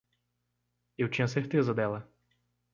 Eu tinha certeza dela.